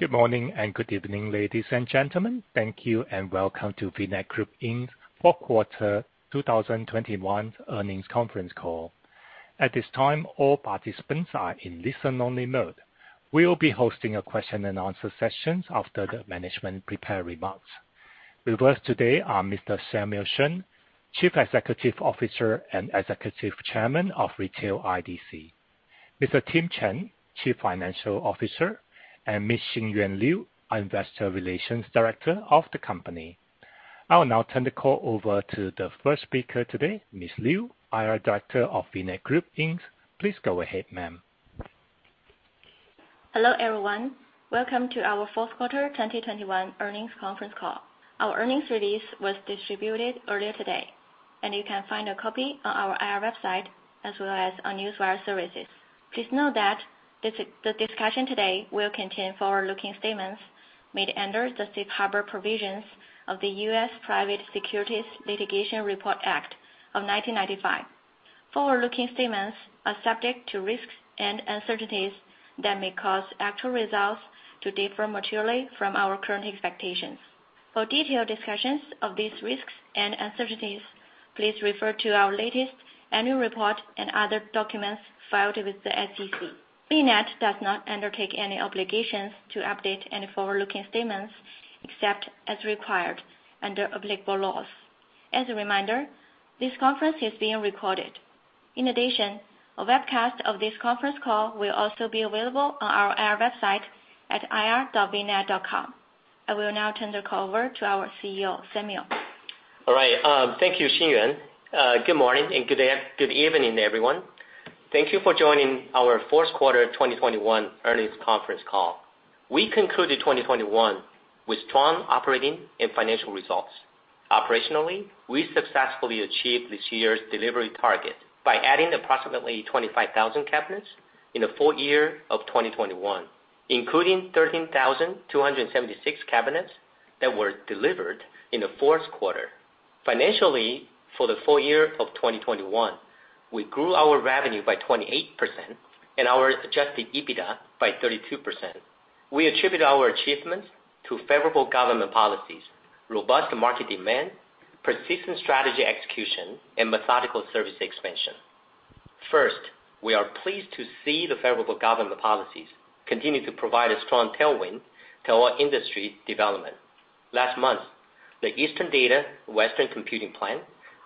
Good morning and good evening, ladies and gentlemen. Thank you and welcome to VNET Group, Inc.'s fourth quarter 2021 earnings conference call. At this time, all participants are in listen-only mode. We'll be hosting a question and answer session after the management's prepared remarks. With us today are Mr. Samuel Shen, Chief Executive Officer and Executive Chairman of Retail IDC, Mr. Tim Chen, Chief Financial Officer, and Ms. Xinyuan Liu, our Investor Relations Director of the company. I will now turn the call over to the first speaker today, Ms. Liu, IR Director of VNET Group, Inc. Please go ahead, ma'am. Hello, everyone. Welcome to our fourth quarter 2021 earnings conference call. Our earnings release was distributed earlier today, and you can find a copy on our IR website as well as on news wire services. Please note that this discussion today will contain forward-looking statements made under the safe harbor provisions of the U.S. Private Securities Litigation Reform Act of 1995. Forward-looking statements are subject to risks and uncertainties that may cause actual results to differ materially from our current expectations. For detailed discussions of these risks and uncertainties, please refer to our latest annual report and other documents filed with the SEC. VNET does not undertake any obligations to update any forward-looking statements except as required under applicable laws. As a reminder, this conference is being recorded. In addition, a webcast of this conference call will also be available on our IR website at ir.vnet.com. I will now turn the call over to our CEO, Samuel. All right. Thank you, Xinyuan. Good morning and good evening, everyone. Thank you for joining our fourth quarter 2021 earnings conference call. We concluded 2021 with strong operating and financial results. Operationally, we successfully achieved this year's delivery target by adding approximately 25,000 cabinets in the full year of 2021, including 13,276 cabinets that were delivered in the fourth quarter. Financially, for the full year of 2021, we grew our revenue by 28% and our adjusted EBITDA by 32%. We attribute our achievements to favorable government policies, robust market demand, persistent strategy execution, and methodical service expansion. First, we are pleased to see the favorable government policies continue to provide a strong tailwind to our industry development. Last month, the Eastern Data, Western Computing plan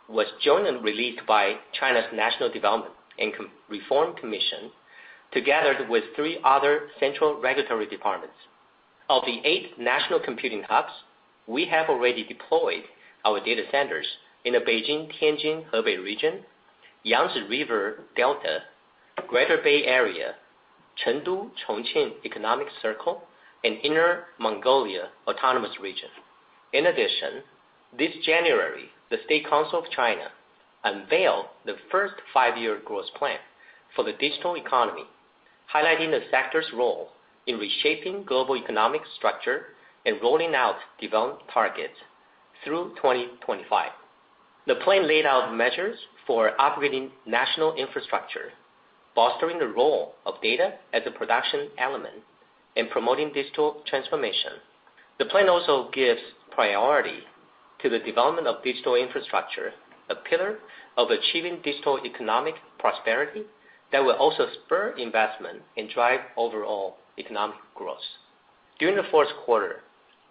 was jointly released by China's National Development and Reform Commission, together with three other central regulatory departments. Of the eight national computing hubs, we have already deployed our data centers in the Beijing-Tianjin-Hebei region, Yangtze River Delta, Greater Bay Area, Chengdu-Chongqing economic circle, and Inner Mongolia autonomous region. In addition, this January, the State Council of China unveiled the 14th Five-Year Plan for the digital economy, highlighting the sector's role in reshaping global economic structure and rolling out development targets through 2025. The plan laid out measures for upgrading national infrastructure, fostering the role of data as a production element, and promoting digital transformation. The plan also gives priority to the development of digital infrastructure, a pillar of achieving digital economic prosperity that will also spur investment and drive overall economic growth. During the fourth quarter,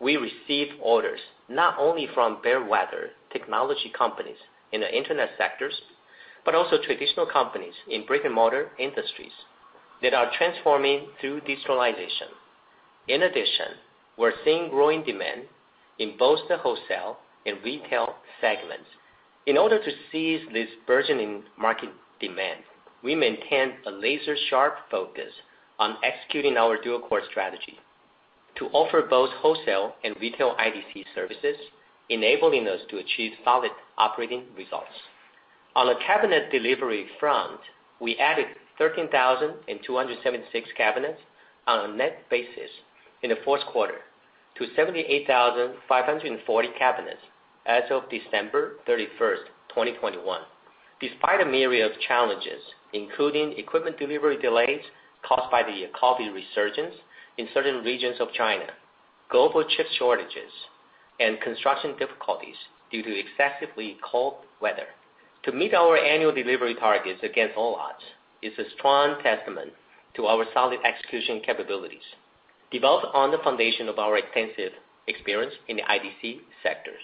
we received orders not only from fair weather technology companies in the internet sectors, but also traditional companies in brick-and-mortar industries that are transforming through digitalization. In addition, we're seeing growing demand in both the wholesale and retail segments. In order to seize this burgeoning market demand, we maintained a laser-sharp focus on executing our dual-core strategy to offer both wholesale and retail IDC services, enabling us to achieve solid operating results. On the cabinet delivery front, we added 13,276 cabinets on a net basis in the fourth quarter to 78,540 cabinets as of December 31, 2021, despite a myriad of challenges, including equipment delivery delays caused by the COVID resurgence in certain regions of China, global chip shortages, and construction difficulties due to excessively cold weather. To meet our annual delivery targets against all odds is a strong testament to our solid execution capabilities, developed on the foundation of our extensive experience in the IDC sectors.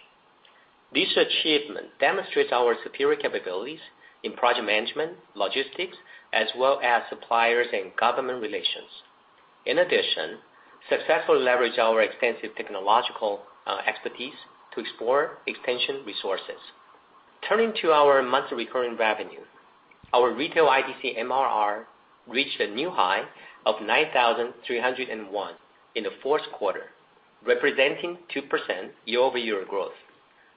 This achievement demonstrates our superior capabilities in project management, logistics, as well as suppliers and government relations. In addition, we successfully leverage our extensive technological expertise to explore expansion resources. Turning to our monthly recurring revenue, our retail IDC MRR reached a new high of 9,301 in the fourth quarter, representing 2% year-over-year growth.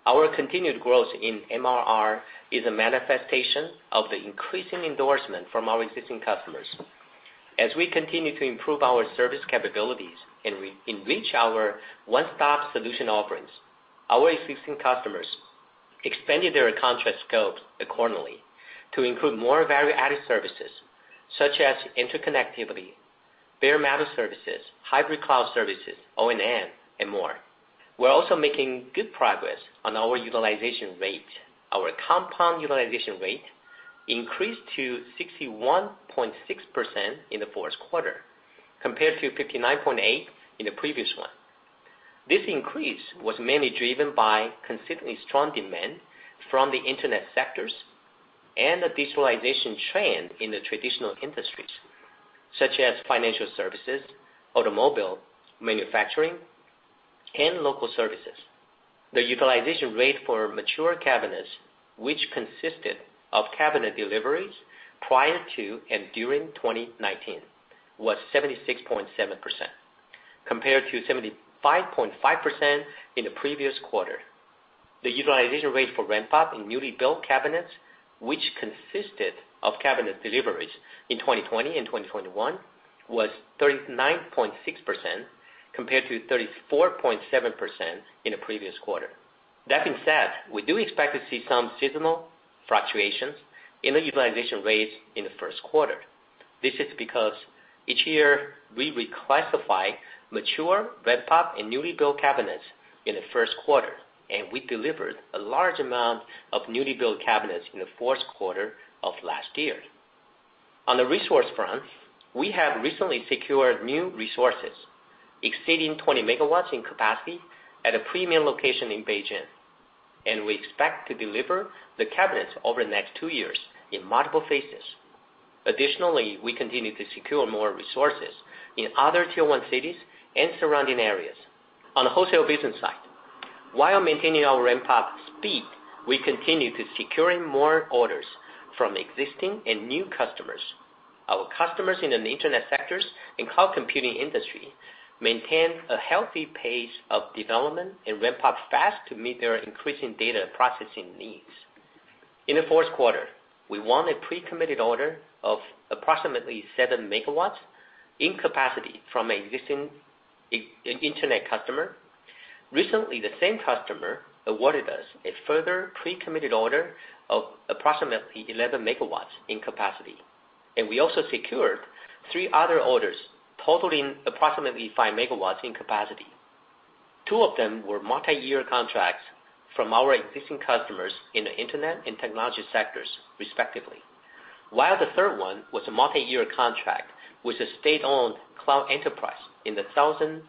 Our continued growth in MRR is a manifestation of the increasing endorsement from our existing customers. As we continue to improve our service capabilities and enrich our one-stop solution offerings, our existing customers expanded their contract scopes accordingly to include more value-added services such as interconnectivity, bare metal services, hybrid cloud services, O&M, and more. We're also making good progress on our utilization rate. Our compound utilization rate increased to 61.6% in the fourth quarter compared to 59.8% in the previous one. This increase was mainly driven by consistently strong demand from the Internet sectors and the digitalization trend in the traditional industries such as financial services, automobile, manufacturing, and local services. The utilization rate for mature cabinets, which consisted of cabinet deliveries prior to and during 2019 was 76.7% compared to 75.5% in the previous quarter. The utilization rate for ramp-up in newly built cabinets, which consisted of cabinet deliveries in 2020 and 2021 was 39.6% compared to 34.7% in the previous quarter. That being said, we do expect to see some seasonal fluctuations in the utilization rates in the first quarter. This is because each year we reclassify mature, ramp-up, and newly built cabinets in the first quarter, and we delivered a large amount of newly built cabinets in the fourth quarter of last year. On the resource front, we have recently secured new resources exceeding 20 MW in capacity at a premier location in Beijing, and we expect to deliver the cabinets over the next 2 years in multiple phases. Additionally, we continue to secure more resources in other tier 1 cities and surrounding areas. On the wholesale business side, while maintaining our ramp-up speed, we continue to secure more orders from existing and new customers. Our customers in the internet sectors and cloud computing industry maintain a healthy pace of development and ramp up fast to meet their increasing data processing needs. In the fourth quarter, we won a pre-committed order of approximately 7 MW in capacity from existing internet customer. Recently, the same customer awarded us a further pre-committed order of approximately 11 MW in capacity. We also secured 3 other orders totaling approximately 5 MW in capacity. 2 of them were multi-year contracts from our existing customers in the internet and technology sectors, respectively. While the third one was a multi-year contract with a state-owned cloud enterprise in the southwestern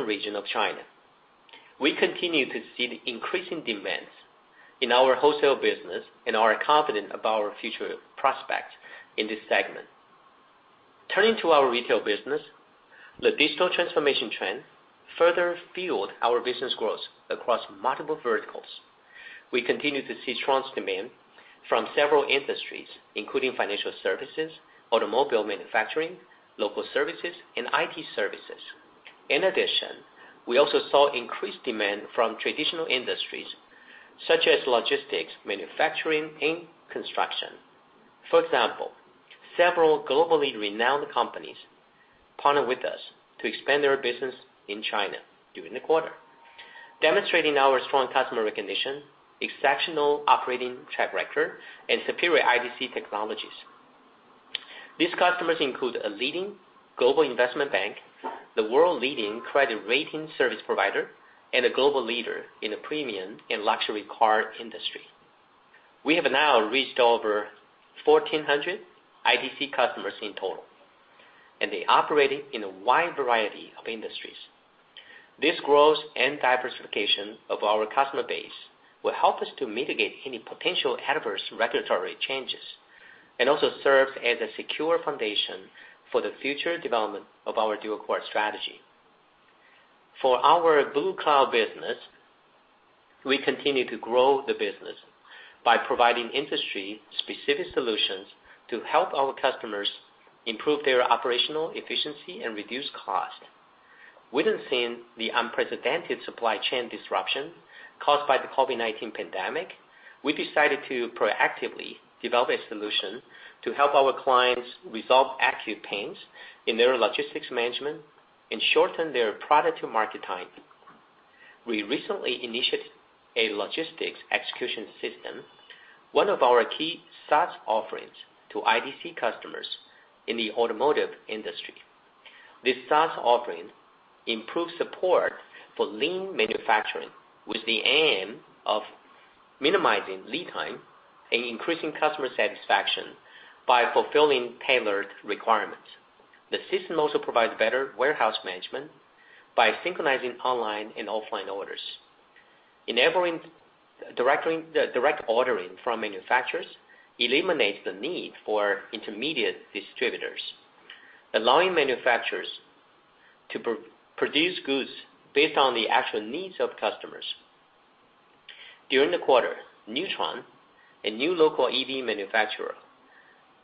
region of China. We continue to see the increasing demands in our wholesale business and are confident about our future prospects in this segment. Turning to our retail business, the digital transformation trend further fueled our business growth across multiple verticals. We continue to see strong demand from several industries, including financial services, automobile manufacturing, local services, and IT services. In addition, we also saw increased demand from traditional industries such as logistics, manufacturing, and construction. For example, several globally renowned companies partnered with us to expand their business in China during the quarter, demonstrating our strong customer recognition, exceptional operating track record, and superior IDC technologies. These customers include a leading global investment bank, the world-leading credit rating service provider, and a global leader in the premium and luxury car industry. We have now reached over 1,400 IDC customers in total, and they operate in a wide variety of industries. This growth and diversification of our customer base will help us to mitigate any potential adverse regulatory changes, and also serves as a secure foundation for the future development of our dual-core strategy. For our BlueCloud business, we continue to grow the business by providing industry-specific solutions to help our customers improve their operational efficiency and reduce cost. Witnessing the unprecedented supply chain disruption caused by the COVID-19 pandemic, we decided to proactively develop a solution to help our clients resolve acute pains in their logistics management and shorten their product to market time. We recently initiated a logistics execution system, one of our key SaaS offerings to IDC customers in the automotive industry. This SaaS offering improves support for lean manufacturing with the aim of minimizing lead time and increasing customer satisfaction by fulfilling tailored requirements. The system also provides better warehouse management by synchronizing online and offline orders. Enabling direct ordering from manufacturers eliminates the need for intermediate distributors, allowing manufacturers to produce goods based on the actual needs of customers. During the quarter, Neta, a new local EV manufacturer,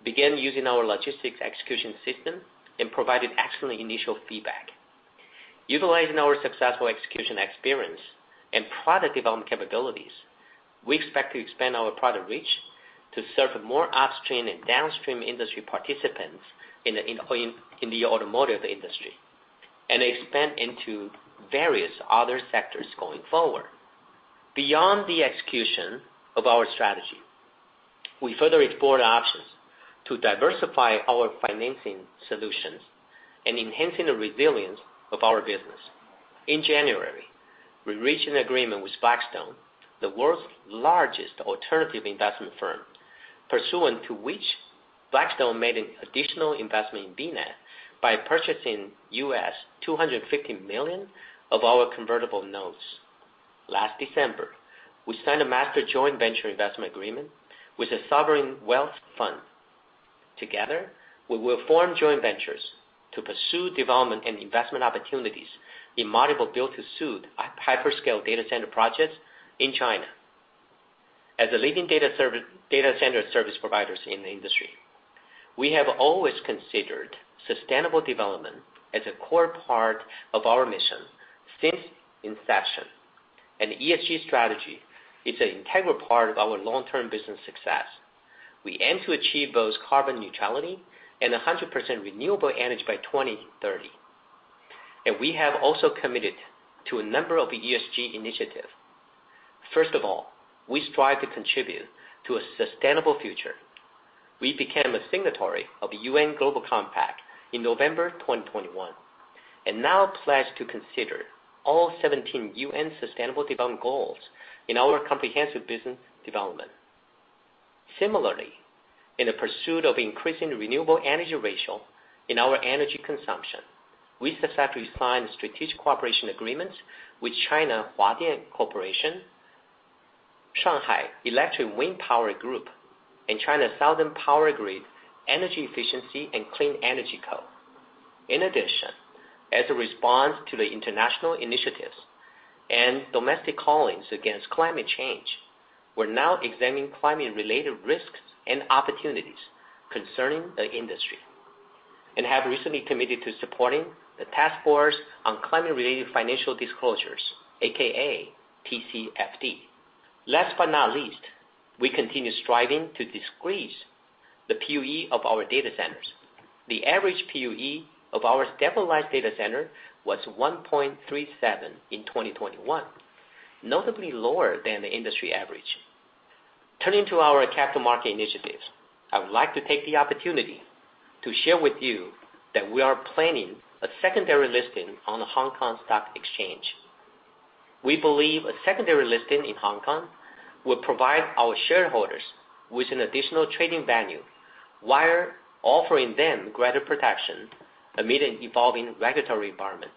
began using our logistics execution system and provided excellent initial feedback. Utilizing our successful execution experience and product development capabilities. We expect to expand our product reach to serve more upstream and downstream industry participants in the automotive industry, and expand into various other sectors going forward. Beyond the execution of our strategy, we further explore options to diversify our financing solutions and enhancing the resilience of our business. In January, we reached an agreement with Blackstone, the world's largest alternative investment firm, pursuant to which Blackstone made an additional investment in VNET by purchasing $250 million of our convertible notes. Last December, we signed a master joint venture investment agreement with the Sovereign Wealth Fund. Together, we will form joint ventures to pursue development and investment opportunities in multiple build-to-suit hyperscale data center projects in China. As a leading data center service providers in the industry, we have always considered sustainable development as a core part of our mission since inception. ESG strategy is an integral part of our long-term business success. We aim to achieve both carbon neutrality and 100% renewable energy by 2030, and we have also committed to a number of ESG initiatives. First of all, we strive to contribute to a sustainable future. We became a signatory of the UN Global Compact in November 2021, and now pledge to consider all 17 UN sustainable development goals in our comprehensive business development. Similarly, in the pursuit of increasing renewable energy ratio in our energy consumption, we successfully signed strategic cooperation agreements with China Huadian Corporation, Shanghai Electric Wind Power Group, and China Southern Power Grid Energy Efficiency and Clean Energy Co. In addition, as a response to the international initiatives and domestic callings against climate change, we're now examining climate-related risks and opportunities concerning the industry, and have recently committed to supporting the Task Force on Climate-related Financial Disclosures, aka TCFD. Last but not least, we continue striving to decrease the PUE of our data centers. The average PUE of our stabilized data center was 1.37 in 2021, notably lower than the industry average. Turning to our capital market initiatives, I would like to take the opportunity to share with you that we are planning a secondary listing on the Hong Kong Stock Exchange. We believe a secondary listing in Hong Kong will provide our shareholders with an additional trading venue while offering them greater protection amid an evolving regulatory environment.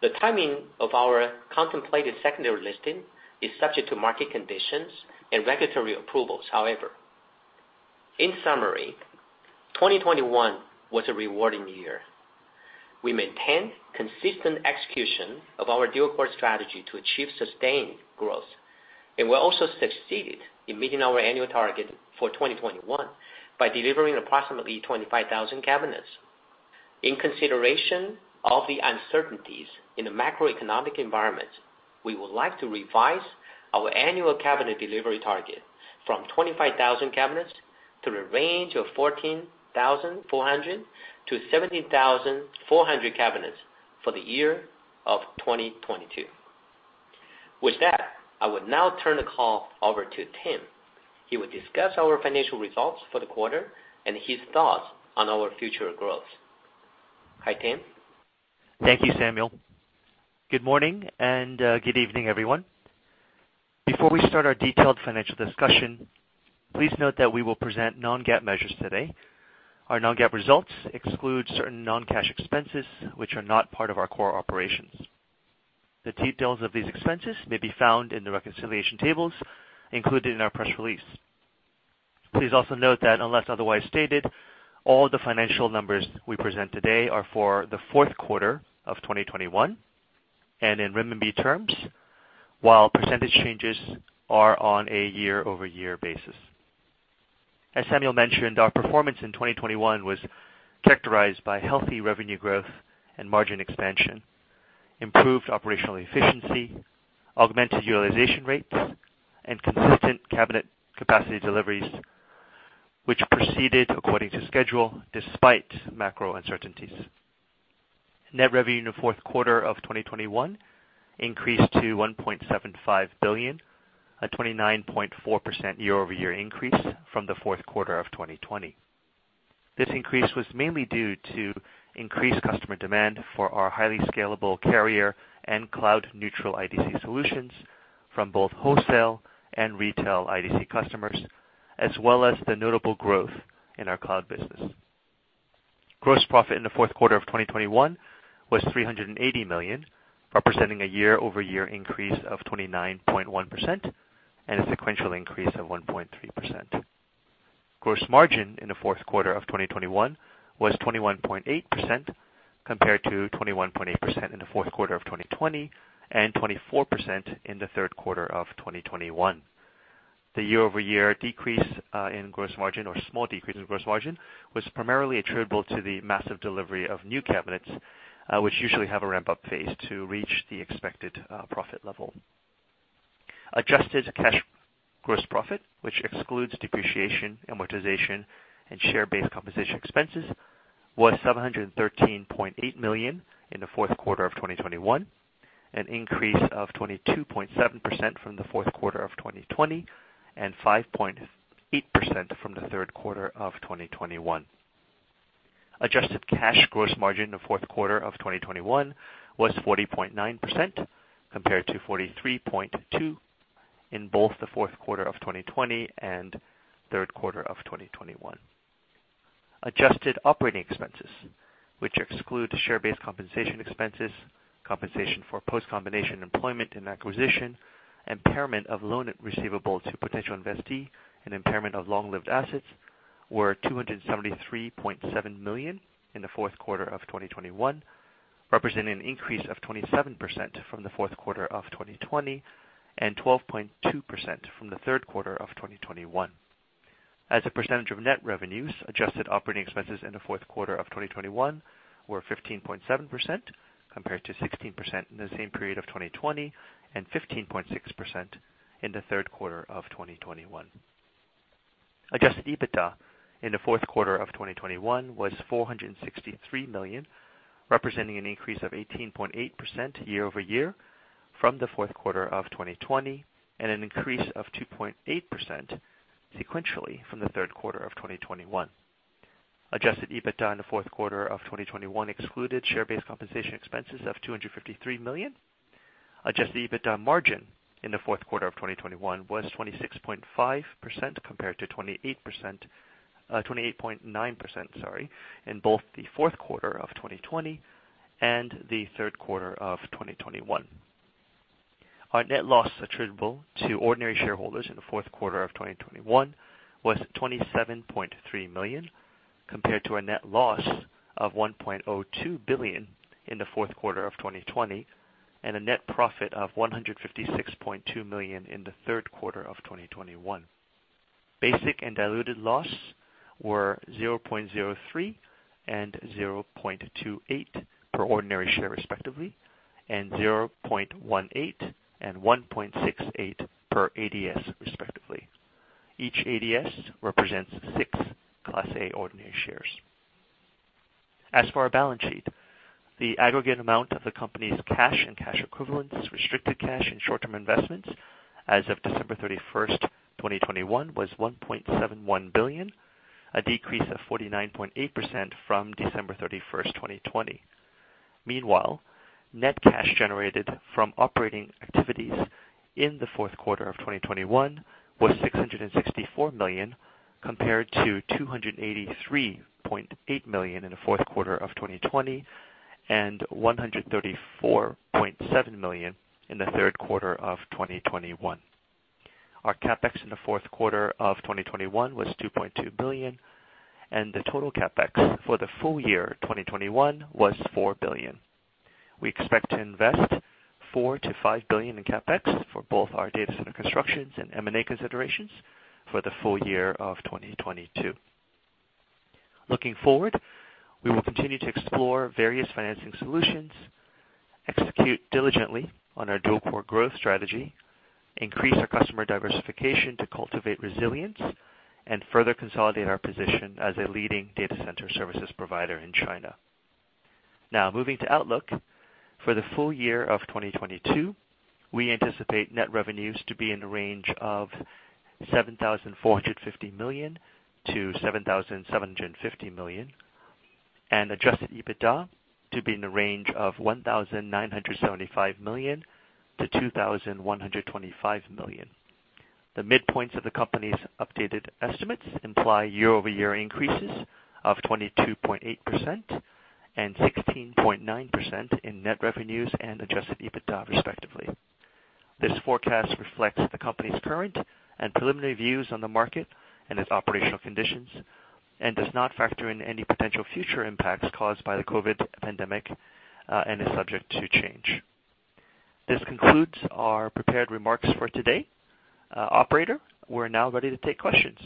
The timing of our contemplated secondary listing is subject to market conditions and regulatory approvals, however. In summary, 2021 was a rewarding year. We maintained consistent execution of our dual-core strategy to achieve sustained growth, and we also succeeded in meeting our annual target for 2021 by delivering approximately 25,000 cabinets. In consideration of the uncertainties in the macroeconomic environment, we would like to revise our annual cabinet delivery target from 25,000 cabinets to a range of 14,400-17,400 cabinets for the year of 2022. With that, I would now turn the call over to Tim. He will discuss our financial results for the quarter and his thoughts on our future growth. Hi, Tim. Thank you, Samuel. Good morning and good evening, everyone. Before we start our detailed financial discussion, please note that we will present non-GAAP measures today. Our non-GAAP results exclude certain non-cash expenses, which are not part of our core operations. The details of these expenses may be found in the reconciliation tables included in our press release. Please also note that unless otherwise stated, all the financial numbers we present today are for the fourth quarter of 2021 and in renminbi terms, while percentage changes are on a year-over-year basis. As Samuel mentioned, our performance in 2021 was characterized by healthy revenue growth and margin expansion, improved operational efficiency, augmented utilization rates, and consistent cabinet capacity deliveries, which proceeded according to schedule despite macro uncertainties. Net revenue in the fourth quarter of 2021 increased to 1.75 billion, a 29.4% year-over-year increase from the fourth quarter of 2020. This increase was mainly due to increased customer demand for our highly scalable carrier and cloud neutral IDC solutions from both wholesale and retail IDC customers, as well as the notable growth in our cloud business. Gross profit in the fourth quarter of 2021 was 380 million, representing a year-over-year increase of 29.1% and a sequential increase of 1.3%. Gross margin in the fourth quarter of 2021 was 21.8% compared to 21.8% in the fourth quarter of 2020 and 24% in the third quarter of 2021. The year-over-year decrease, a small decrease in gross margin was primarily attributable to the massive delivery of new cabinets, which usually have a ramp-up phase to reach the expected profit level. Adjusted cash gross profit, which excludes depreciation, amortization, and share-based compensation expenses, was 713.8 million in the fourth quarter of 2021, an increase of 22.7% from the fourth quarter of 2020 and 5.8% from the third quarter of 2021. Adjusted cash gross margin in the fourth quarter of 2021 was 40.9% compared to 43.2% in both the fourth quarter of 2020 and third quarter of 2021. Adjusted operating expenses, which exclude share-based compensation expenses, compensation for post-combination employment and acquisition, impairment of loan receivable to potential investee and impairment of long-lived assets were 273.7 million in the fourth quarter of 2021, representing an increase of 27% from the fourth quarter of 2020 and 12.2% from the third quarter of 2021. As a percentage of net revenues, adjusted operating expenses in the fourth quarter of 2021 were 15.7% compared to 16% in the same period of 2020 and 15.6% in the third quarter of 2021. Adjusted EBITDA in the fourth quarter of 2021 was 463 million, representing an increase of 18.8% year over year from the fourth quarter of 2020 and an increase of 2.8% sequentially from the third quarter of 2021. Adjusted EBITDA in the fourth quarter of 2021 excluded share-based compensation expenses of 253 million. Adjusted EBITDA margin in the fourth quarter of 2021 was 26.5% compared to 28.9% in both the fourth quarter of 2020 and the third quarter of 2021. Our net loss attributable to ordinary shareholders in the fourth quarter of 2021 was 27.3 million, compared to a net loss of 1.02 billion in the fourth quarter of 2020 and a net profit of 156.2 million in the third quarter of 2021. Basic and diluted loss were 0.03 and 0.28 per ordinary share respectively, and 0.18 and 1.68 per ADS respectively. Each ADS represents 6 Class A ordinary shares. As for our balance sheet, the aggregate amount of the company's cash and cash equivalents, restricted cash and short-term investments as of December 31, 2021 was 1.71 billion, a decrease of 49.8% from December 31, 2020. Meanwhile, net cash generated from operating activities in the fourth quarter of 2021 was 664 million compared to 283.8 million in the fourth quarter of 2020 and 134.7 million in the third quarter of 2021. Our CapEx in the fourth quarter of 2021 was 2.2 billion, and the total CapEx for the full year 2021 was 4 billion. We expect to invest 4 billion-5 billion in CapEx for both our data center constructions and M&A considerations for the full year of 2022. Looking forward, we will continue to explore various financing solutions, execute diligently on our dual-core strategy, increase our customer diversification to cultivate resilience, and further consolidate our position as a leading data center services provider in China. Now moving to outlook. For the full year of 2022, we anticipate net revenues to be in the range of 7,450 million-7,750 million, and Adjusted EBITDA to be in the range of 1,975 million-2,125 million. The midpoints of the company's updated estimates imply year-over-year increases of 22.8% and 16.9% in net revenues and adjusted EBITDA, respectively. This forecast reflects the company's current and preliminary views on the market and its operational conditions and does not factor in any potential future impacts caused by the COVID pandemic, and is subject to change. This concludes our prepared remarks for today. Operator, we're now ready to take questions.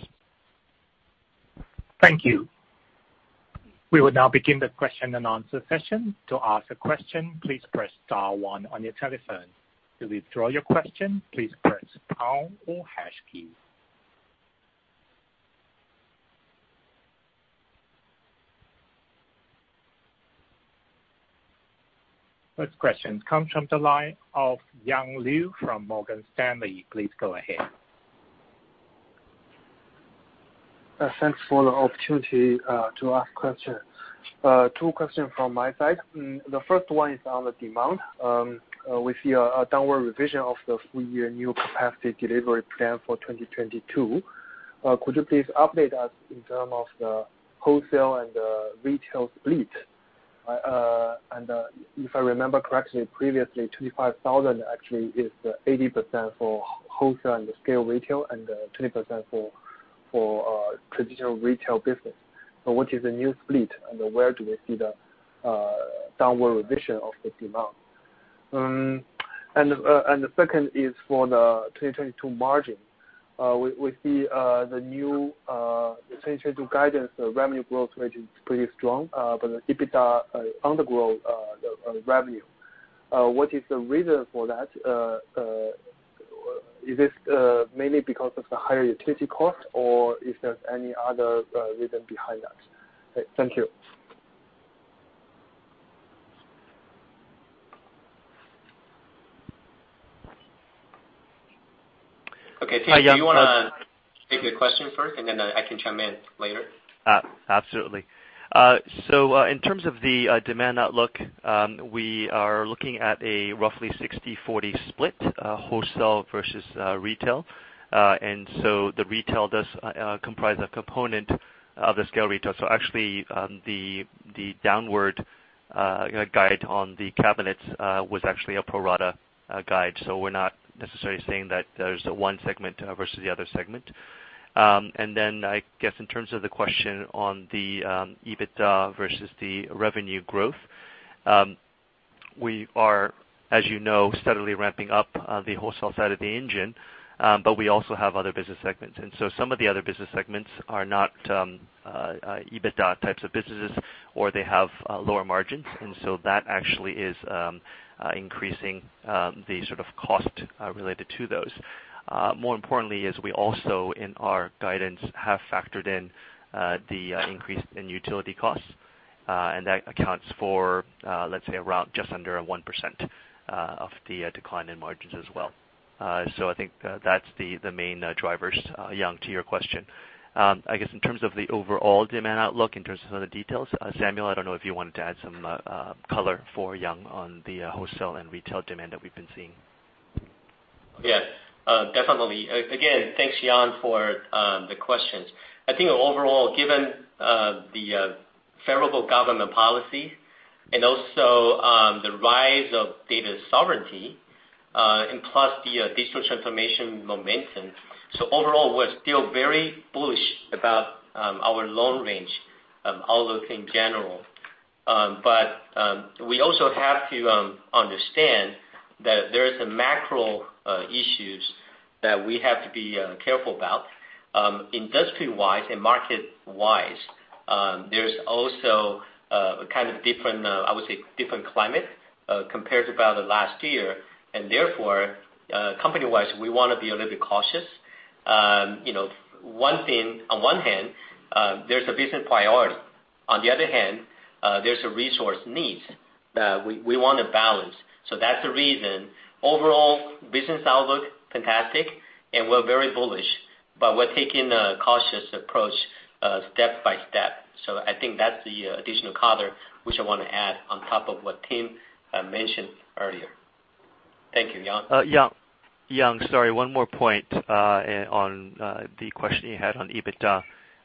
Thank you. We will now begin the question and answer session. To ask a question, please press star one on your telephone. To withdraw your question, please press pound or hash key. First question comes from the line of Yang Liu from Morgan Stanley. Please go ahead. Thanks for the opportunity to ask questions. Two questions from my side. The first one is on the demand. We see a downward revision of the full-year new capacity delivery plan for 2022. Could you please update us in terms of the wholesale and retail split? If I remember correctly, previously, 25,000 actually is 80% for wholesale and scale retail and 20% for traditional retail business. What is the new split and where do we see the downward revision of the demand? The second is for the 2022 margin. We see the new guidance, the revenue growth rate is pretty strong, but the EBITDA undergrows the revenue. What is the reason for that? Is this mainly because of the higher utility cost or is there any other reason behind that? Thank you. Okay. Tim, do you wanna take the question first, and then, I can chime in later? Absolutely. In terms of the demand outlook, we are looking at a roughly 60-40 split, wholesale versus retail. The retail does comprise a component of the scale retail. Actually, the downward guide on the cabinets was actually a pro rata guide. We're not necessarily saying that there's one segment versus the other segment. I guess in terms of the question on the EBITDA versus the revenue growth, we are, as you know, steadily ramping up the wholesale side of the business, but we also have other business segments. Some of the other business segments are not EBITDA types of businesses, or they have lower margins. That actually is increasing the sort of cost related to those. More importantly is we also, in our guidance, have factored in the increase in utility costs, and that accounts for let's say around just under 1% of the decline in margins as well. I think that's the main drivers, Yang, to your question. I guess in terms of the overall demand outlook, in terms of some of the details, Samuel, I don't know if you wanted to add some color for Yang on the wholesale and retail demand that we've been seeing. Yes, definitely. Again, thanks, Yang, for the questions. I think overall, given the favorable government policy and also the rise of data sovereignty and plus the digital transformation momentum. Overall, we're still very bullish about our long range outlook in general. We also have to understand that there is a macro issues that we have to be careful about. Industry-wise and market-wise, there's also kind of different, I would say, different climate compared to the last year, and therefore, company-wise, we wanna be a little bit cautious. You know, one thing, on one hand, there's a business priority. On the other hand, there's a resource needs that we wanna balance. That's the reason. Overall, business outlook, fantastic, and we're very bullish, but we're taking a cautious approach, step by step. I think that's the additional color, which I wanna add on top of what Tim mentioned earlier. Thank you, Yang. Yang, sorry, one more point on the question you had on EBITDA.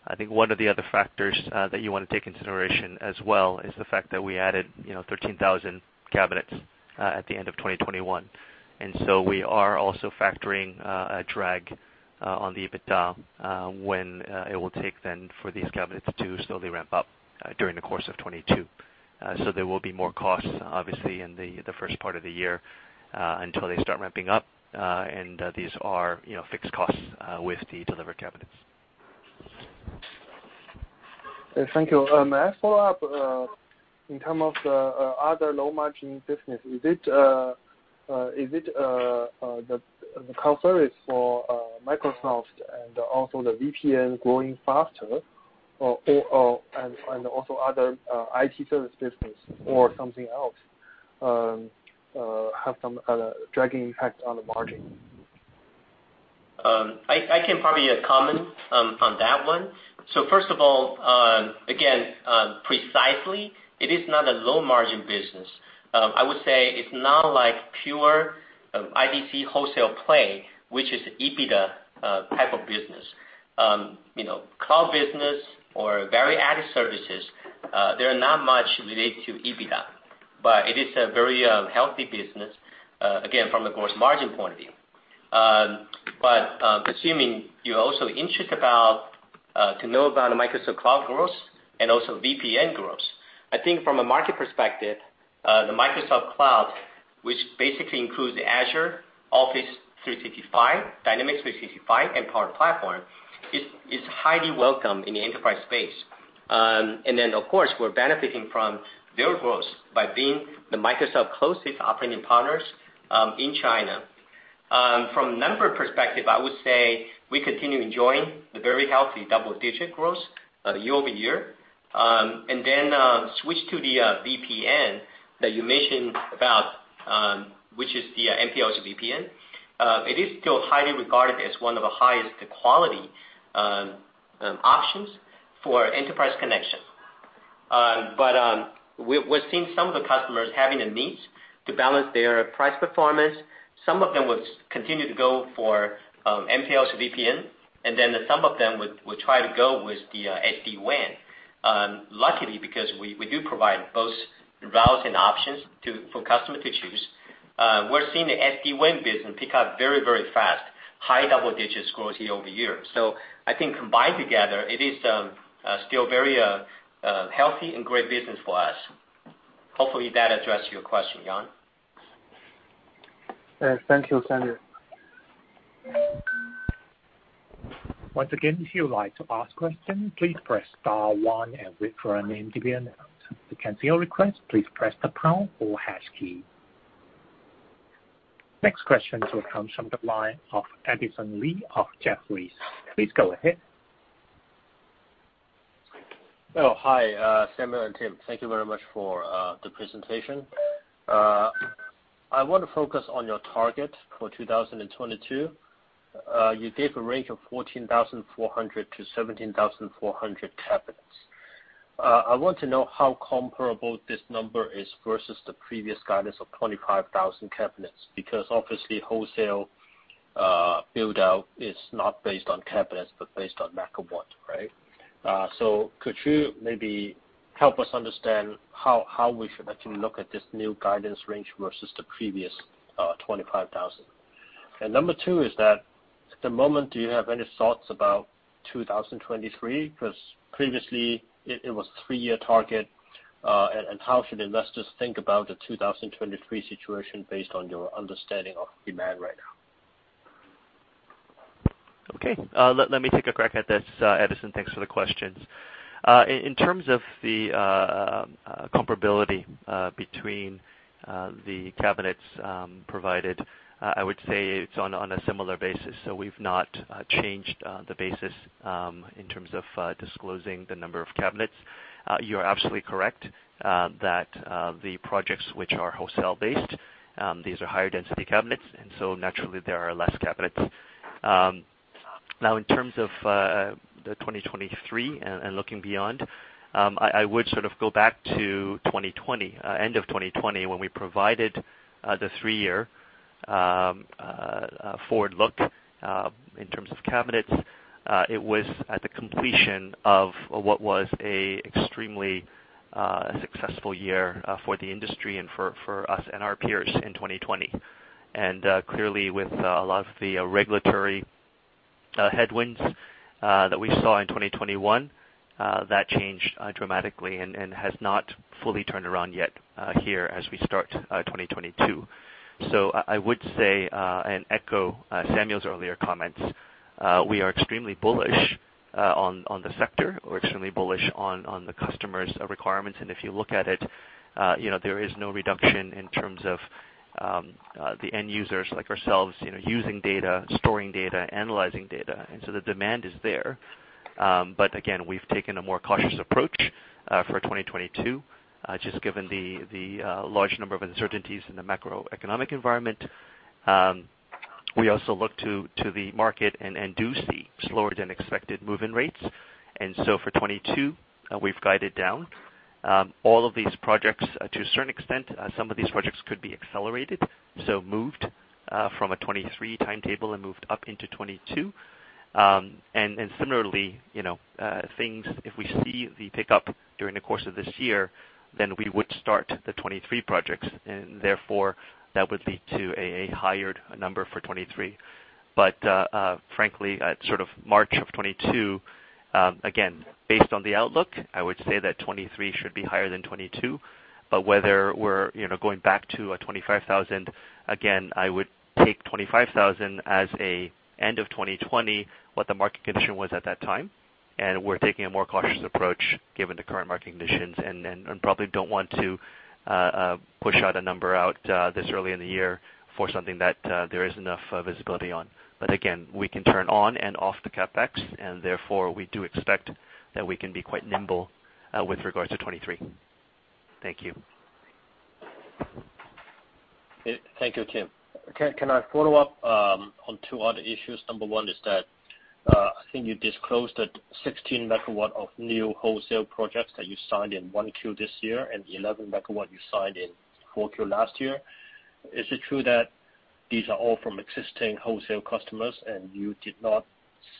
I think one of the other factors that you wanna take into consideration as well is the fact that we added, you know, 13,000 cabinets at the end of 2021. We are also factoring a drag on the EBITDA when it will take time for these cabinets to slowly ramp up during the course of 2022. There will be more costs, obviously, in the first part of the year until they start ramping up, and these are, you know, fixed costs with the delivered cabinets. Thank you. May I follow up in terms of the other low margin business? Is it the cloud service for Microsoft and also the VPN growing faster or and also other IT service business or something else have some dragging impact on the margin? I can probably comment on that one. First of all, again, precisely, it is not a low margin business. I would say it's not like pure IDC wholesale play, which is EBITDA type of business. You know, cloud business or value-added services, they are not much related to EBITDA, but it is a very healthy business, again, from a gross margin point of view. Assuming you're also interested about to know about Microsoft cloud growth and also VPN growth. I think from a market perspective, the Microsoft cloud, which basically includes the Azure, Office 365, Dynamics 365, and Power Platform, is highly welcome in the enterprise space. Of course, we're benefiting from their growth by being the Microsoft closest operating partners in China. From member perspective, I would say we continue enjoying the very healthy double-digit growth year-over-year. Switch to the VPN that you mentioned about, which is the MPLS VPN. It is still highly regarded as one of the highest quality options for enterprise connection. We're seeing some of the customers having a need to balance their price performance. Some of them would continue to go for MPLS VPN, and then some of them would try to go with the SD-WAN. Luckily, because we do provide both routes and options for customer to choose, we're seeing the SD-WAN business pick up very, very fast. High double-digit growth year-over-year. I think combined together, it is still very healthy and great business for us. Hopefully, tat addressed your question, Yang Liu. Yes, thank you, Samuel. Once again, if you would like to ask question, please press star one and wait for your name to be announced. To cancel your request, please press the pound or hash key. Next question will come from th e line of Edison Lee of Jefferies. Please go ahead. Oh, hi, Samuel and Tim. Thank you very much for the presentation. I wanna focus on your target for 2022. You gave a range of 14,400-17,400 cabinets. I want to know how comparable this number is versus the previous guidance of 25,000 cabinets, because obviously, wholesale build-out is not based on cabinets, but based on megawatt, right? So could you maybe help us understand how we should actually look at this new guidance range versus the previous 25,000? Number two is that at the moment, do you have any thoughts about 2023? Because previously it was three-year target, and how should investors think about the 2023 situation based on your understanding of demand right now? Let me take a crack at this. Edison, thanks for the questions. In terms of the comparability between the cabinets provided, I would say it's on a similar basis, so we've not changed the basis in terms of disclosing the number of cabinets. You're absolutely correct that the projects which are wholesale-based, these are higher density cabinets, and so naturally there are less cabinets. Now in terms of the 2023 and looking beyond, I would sort of go back to 2020, end of 2020 when we provided the three-year forward look in terms of cabinets. It was at the completion of what was a extremely successful year for the industry and for us and our peers in 2020. Clearly with a lot of the regulatory headwinds that we saw in 2021, that changed dramatically and has not fully turned around yet here as we start 2022. I would say and echo Samuel's earlier comments, we are extremely bullish on the sector. We're extremely bullish on the customers' requirements. If you look at it, you know, there is no reduction in terms of the end users like ourselves, you know, using data, storing data, analyzing data. The demand is there. We've taken a more cautious approach for 2022, just given the large number of uncertainties in the macroeconomic environment. We also look to the market and do see slower than expected move-in rates. For 2022, we've guided down all of these projects to a certain extent. Some of these projects could be accelerated, so moved from a 2023 timetable and moved up into 2022. Similarly, you know, things if we see the pickup during the course of this year, then we would start the 2023 projects and therefore that would lead to a higher number for 2023. Frankly, at sort of March 2022, again, based on the outlook, I would say that 2023 should be higher than 2022. Whether we're, you know, going back to a 25,000, again, I would take 25,000 as an end of 2020, what the market condition was at that time. We're taking a more cautious approach given the current market conditions and probably don't want to push out a number out this early in the year for something that there isn't enough visibility on. Again, we can turn on and off the CapEx, and therefore we do expect that we can be quite nimble with regards to 2023. Thank you. Thank you, Tim. Can I follow up on two other issues? Number one is that, I think you disclosed that 16 MW of new wholesale projects that you signed in 1Q this year and 11 MW you signed in 4Q last year. Is it true that these are all from existing wholesale customers and you did not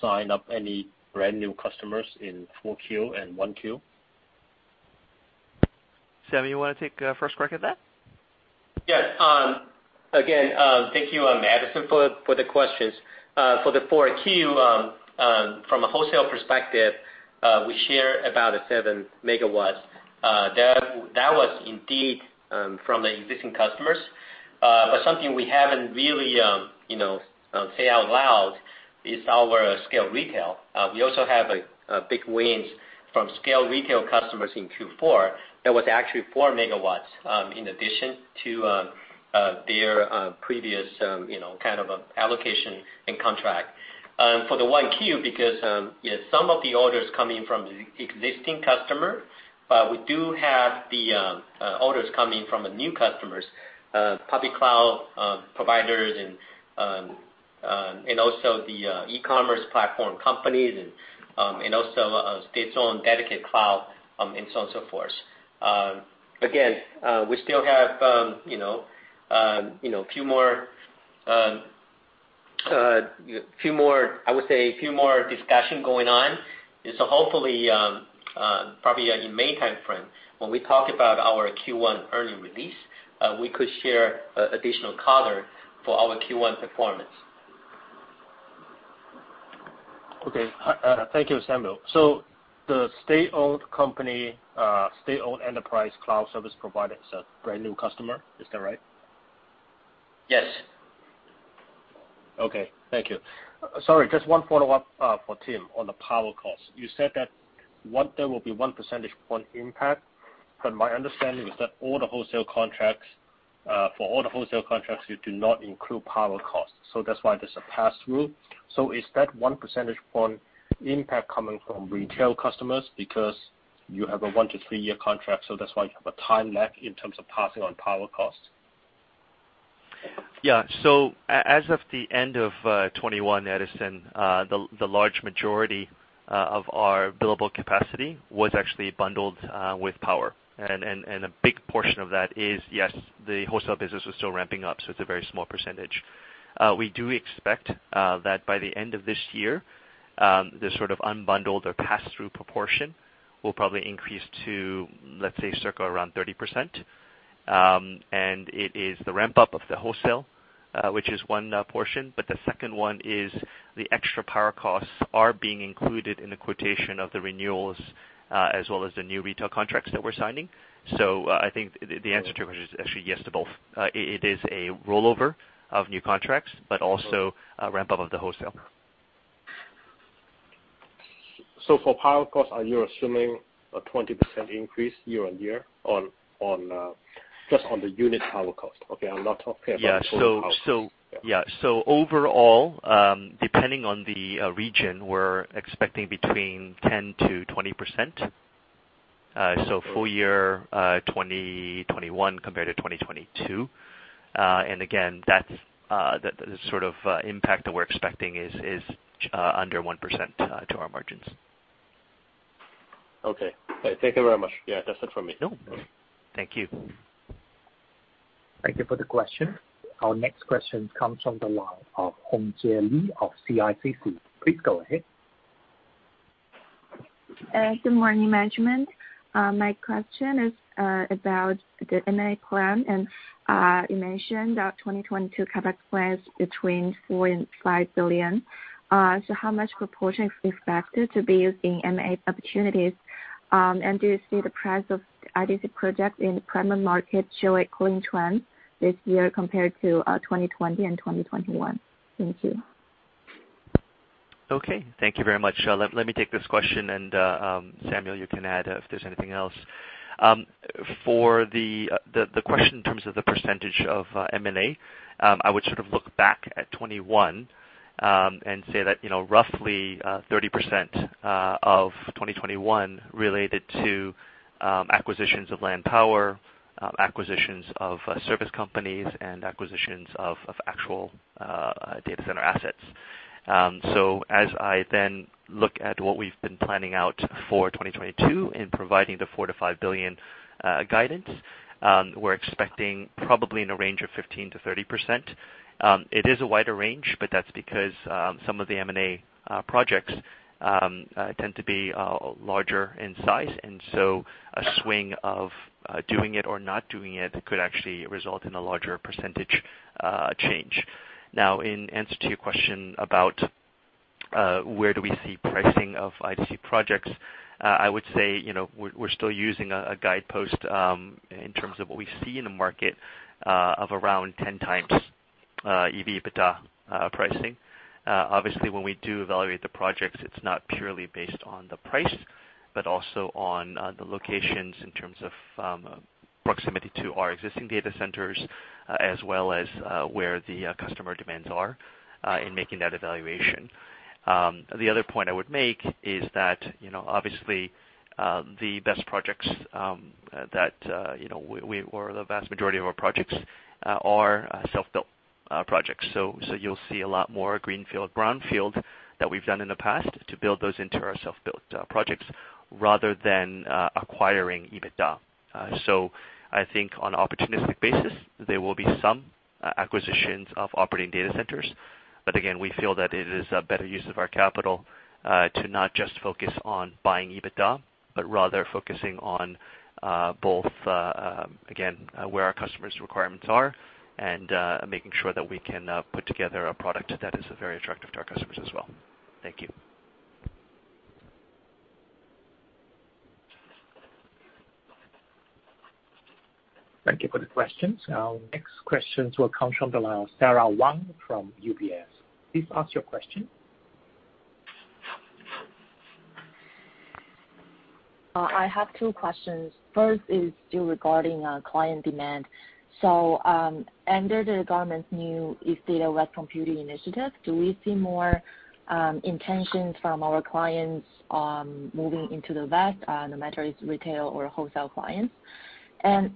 sign up any brand-new customers in 4Q and 1Q? Samuel, you wanna take first crack at that? Yes. Again, thank you, Edison, for the questions. For Q4, from a wholesale perspective, we share about 7 MW. That was indeed from the existing customers. But something we haven't really, you know, say out loud is our Scale Retail. We also have a big wins from Scale Retail customers in Q4 that was actually 4 MW, in addition to their previous, you know, kind of allocation and contract. For the 1Q because, yeah, some of the orders come in from existing customer, but we do have the orders coming from new customers, public cloud providers and also the e-commerce platform companies and also its own dedicated cloud, and so on and so forth. Again, we still have, you know, few more, I would say a few more discussion going on. Hopefully, probably in May timeframe when we talk about our Q1 earnings release. We could share additional color for our Q1 performance. Okay. Thank you, Samuel. The state-owned company, state-owned enterprise cloud service provider is a brand new customer. Is that right? Yes. Okay. Thank you. Sorry, just 1 follow-up for Tim on the power cost. You said that there will be 1 percentage point impact, but my understanding is that all the wholesale contracts you do not include power costs, so that's why there's a pass-through. Is that 1 percentage point impact coming from retail customers because you have a 1- to 3-year contract, so that's why you have a time lag in terms of passing on power costs? Yeah. As of the end of 2021, Edison, the large majority of our billable capacity was actually bundled with power. A big portion of that is, yes, the wholesale business was still ramping up, so it's a very small percentage. We do expect that by the end of this year, the sort of unbundled or pass-through proportion will probably increase to, let's say, circa 30%. It is the ramp-up of the wholesale, which is one portion, but the second one is the extra power costs are being included in the quotation of the renewals, as well as the new retail contracts that we're signing. I think the answer to it is actually yes to both. It is a rollover of new contracts, but also a ramp-up of the wholesale. For power costs, are you assuming a 20% increase year-on-year on just on the unit power cost? Okay, I'm not talking about the whole power cost. Overall, depending on the region, we're expecting between 10%-20%. Full year 2021 compared to 2022. Again, that's the sort of impact that we're expecting is under 1% to our margins. Okay. Thank you very much. Yeah, that's it for me. No. Thank you. Thank you for the question. Our next question comes from the line of Cong Sherry of CICC. Please go ahead. Good morning, management. My question is about the M&A plan, and you mentioned that 2022 CapEx plans between 4 billion and 5 billion. How much proportion is expected to be in M&A opportunities? Do you see the price of IDC project in the primary market show a growing trend this year compared to 2020 and 2021? Thank you. Okay. Thank you very much. Let me take this question and, Samuel, you can add if there's anything else. For the question in terms of the percentage of M&A, I would sort of look back at 2021 and say that, you know, roughly 30% of 2021 related to acquisitions of land power, acquisitions of service companies and acquisitions of actual data center assets. As I then look at what we've been planning out for 2022 in providing the 4 billion-5 billion guidance, we're expecting probably in a range of 15%-30%. It is a wider range, but that's because some of the M&A projects tend to be larger in size, and so a swing of doing it or not doing it could actually result in a larger percentage change. Now, in answer to your question about where do we see pricing of IDC projects, I would say, you know, we're still using a guidepost in terms of what we see in the market of around 10x EBITDA pricing. Obviously, when we do evaluate the projects, it's not purely based on the price, but also on the locations in terms of proximity to our existing data centers, as well as where the customer demands are in making that evaluation. The other point I would make is that, you know, obviously, the best projects that, you know, we or the vast majority of our projects are self-built projects. You'll see a lot more greenfield, brownfield that we've done in the past to build those into our self-built projects rather than acquiring EBITDA. I think on an opportunistic basis, there will be some acquisitions of operating data centers. Again, we feel that it is a better use of our capital to not just focus on buying EBITDA, but rather focusing on both again where our customers' requirements are and making sure that we can put together a product that is very attractive to our customers as well. Thank you. Thank you for the questions. Our next questions will come from the line of Sarah Wang from UBS. Please ask your question. I have two questions. First is still regarding client demand. Under th e government's new Eastern Data Western Computing initiative, do we see more intentions from our clients moving into the West no matter it's retail or wholesale clients?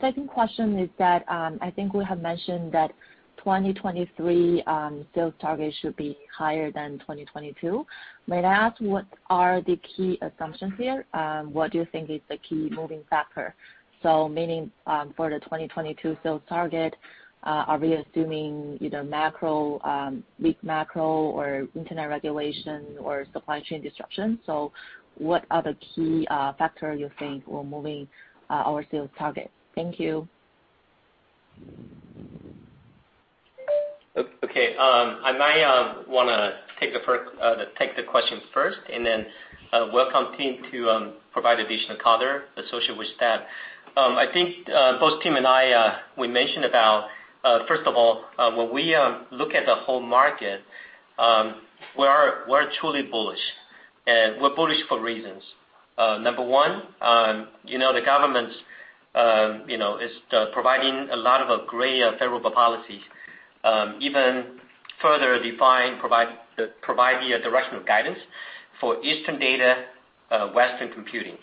Second question is that I think we have mentioned that 2023 sales target should be higher than 2022. May I ask what are the key assumptions here? What do you think is the key moving factor? Meaning for the 2022 sales target are we assuming either macro weak macro or internet regulation or supply chain disruption? What are the key factor you think were moving our sales target? Thank you. Okay. I might wanna take the question first and then welcome team to provide additional color associated with that. I think both Tim and I we mentioned about first of all when we look at the whole market, we're truly bullish, and we're bullish for reasons. Number 1, you know, the government is providing a lot of great favorable policies, even further define provide the directional guidance for Eastern Data, Western Computing.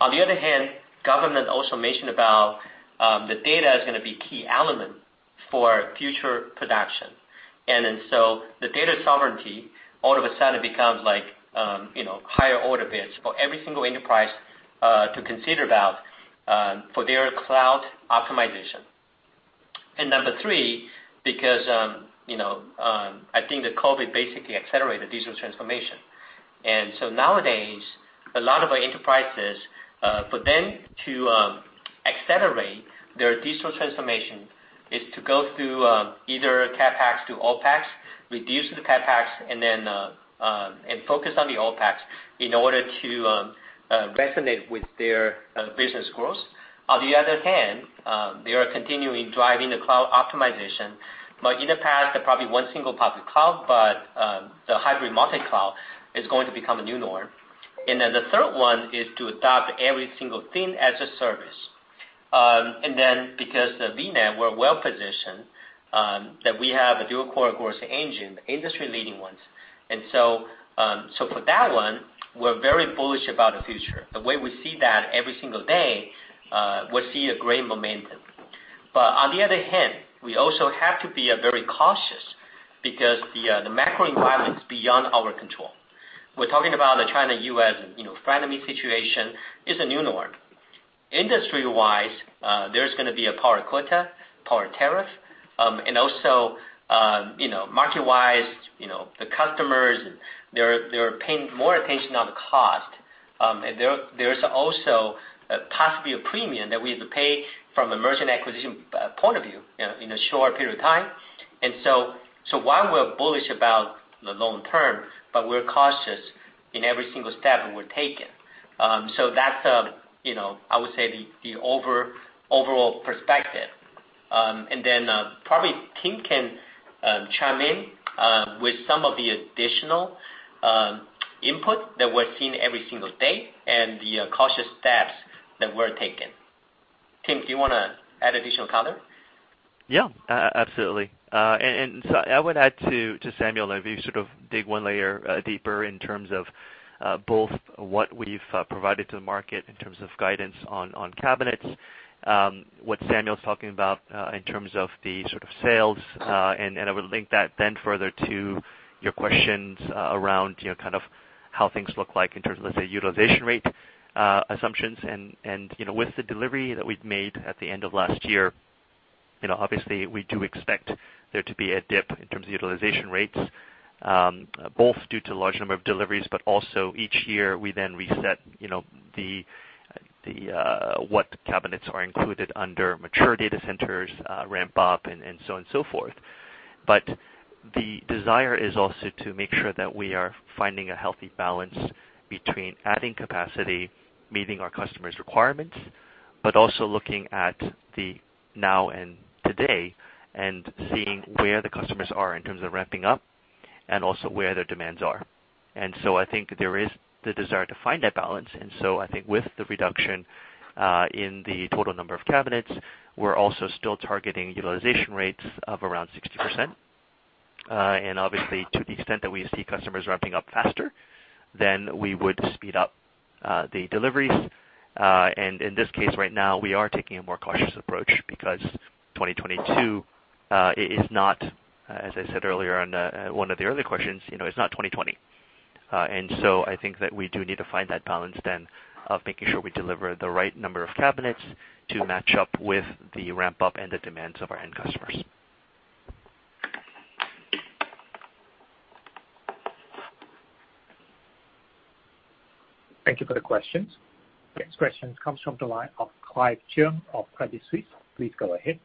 On the other hand, government also mentioned about the data is gonna be key element for future production. The data sovereignty all of a sudden becomes like you know higher order bits for every single enterprise to consider about for their cloud optimization. Number three, because you know, I think the COVID basically accelerated digital transformation. Nowadays, a lot of our enterprises for them to accelerate their digital transformation is to go through either CapEx to OpEx, reduce the CapEx, and focus on the OpEx in order to resonate with their business growth. On the other hand, they are continuing to drive the cloud optimization, but in the past, probably one single public cloud, but the hybrid multi-cloud is going to become a new norm. The third one is to adopt every single thing as a service. Because VNET, we're well-positioned that we have a dual-core strategy, industry-leading ones. For that one, we're very bullish about the future. The way we see that every single day, we see a great momentum. On the other hand, we also have to be very cautious because the macro environment's beyond our control. We're talking about the China-U.S., you know, frenemy situation is a new norm. Industry-wise, there's gonna be a power quota, power tariff, and also, you know, market-wise, you know, the customers, they're paying more attention on the cost. There is also possibly a premium that we have to pay from a merchant acquisition point of view in a short period of time. While we're bullish about the long term, but we're cautious in every single step that we're taking. That's, you know, I would say the overall perspective. Probably Tim can chime in with some of the additional input that we're seeing every single day and the cautious steps that we're taking. Tim, do you wanna add additional color? Absolutely. I would add to Samuel, maybe sort of dig one layer deeper in terms of both what we've provided to the market in terms of guidance on cabinets, what Samuel's talking about in terms of the sort of sales, and I would link that then further to your questions around, you know, kind of how things look like in terms of, let's say, utilization rate assumptions. You know, with the delivery that we've made at the end of last year, you know, obviously we do expect there to be a dip in terms of utilization rates, both due to large number of deliveries, but also each year we then reset, you know, the what cabinets are included under mature data centers, ramp up, and so on and so forth. The desire is also to make sure that we are finding a healthy balance between adding capacity, meeting our customers' requirements, but also looking at the now and today and seeing where the customers are in terms of ramping up and also where their demands are. I think there is the desire to find that balance. I think with the reduction in the total number of cabinets, we're also still targeting utilization rates of around 60%. Obviously, to the extent that we see customers ramping up faster, then we would speed up the deliveries. In this case, right now, we are taking a more cautious approach because 2022 is not, as I said earlier on, one of the earlier questions, you know, is not 2020. I think that we do need to find that balance then of making sure we deliver the right number of cabinets to match up with the ramp up and the demands of our end customers. Thank you for the questions. Next question comes from the line of Clive Cheung of Credit Suisse. Please go ahead.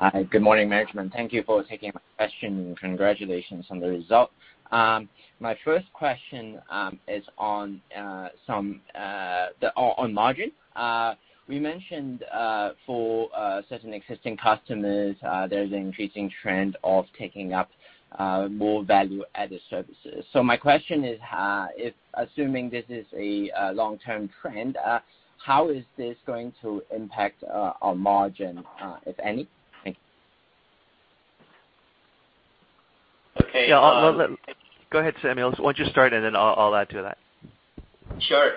Hi. Good morning, management. Thank you for taking my question, and congratulations on the result. My first question is on margin. We mentioned for certain existing customers, there's an increasing trend of taking up more value-added services. My question is, if assuming this is a long-term trend, how is this going to impact our margin, if any? Thank you. Okay. Yeah, go ahead, Samuel. Why don't you start and then I'll add to that. Sure.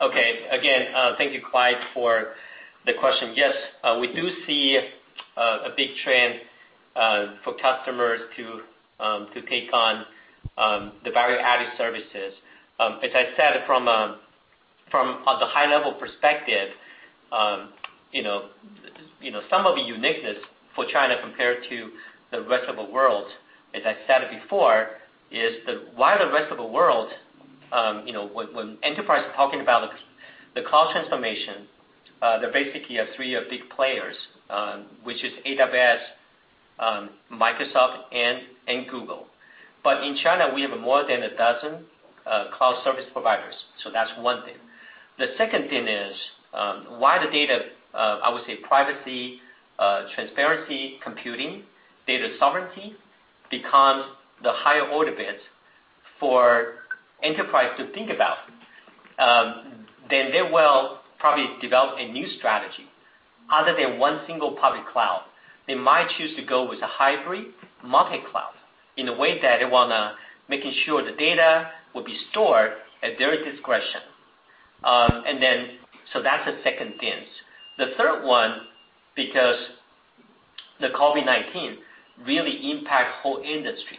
Okay. Again, thank you, Clive, for the question. Yes, we do see a big trend for customers to take on the value-added services. As I said, from a high-level perspective, you know, some of the uniqueness for China compared to the rest of the world, as I said before, is that while the rest of the world, you know, when enterprises are talking about the cloud transformation, there basically are three big players, which is AWS, Microsoft and Google. But in China, we have more than a dozen cloud service providers. So that's one thing. The second thing is why the data privacy, transparent computing, data sovereignty becomes the higher order bits for enterprise to think about, then they will probably develop a new strategy other than one single public cloud. They might choose to go with a hybrid multi-cloud in a way that they wanna making sure the data will be stored at their discretion. That's the second thing. The third one, because the COVID-19 really impact whole industry,